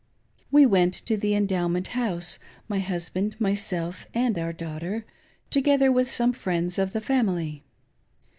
We went to the Endowment House — my husband, myself, and our daughter, together with some friends oi the family.